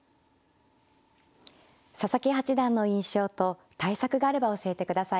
佐々木八段の印象と対策があれば教えてください。